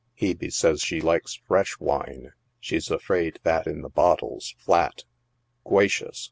Hebe saya she likes fresh wine ; she's afraid that in the bottle's flat. " Gwacious